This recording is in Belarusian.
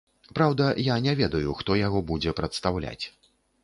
Праўда, я не ведаю, хто яго будзе прадстаўляць.